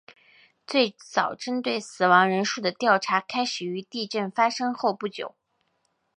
最早针对死亡人数的调查开始于地震发生后不久。